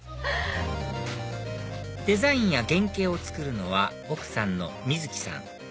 デザインや原型を作るのは奥さんの瑞紀さん